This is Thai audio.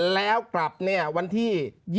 แล้วกลับเนี่ยวันที่๒๒